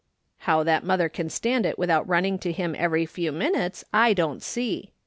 How that mother can stand it without running to him every few minutes I don't see.